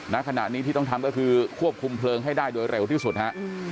ณขณะนี้ที่ต้องทำก็คือควบคุมเพลิงให้ได้โดยเร็วที่สุดฮะ